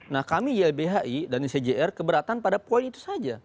nah kami ylbhi dan icjr keberatan pada poin itu saja